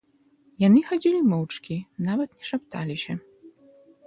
Яны хадзілі моўчкі, нават не шапталіся.